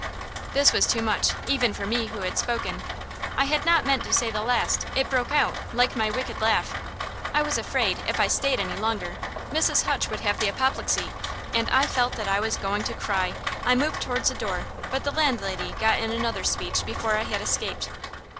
This was too much, even for me who had spoken. I had not meant to say the last. It broke out, like my wicked laugh. I was afraid, if I stayed any longer, Mrs. Hutch would have the apoplexy; and I felt that I was going to cry. I moved towards the door, but the landlady got in another speech before I had escaped.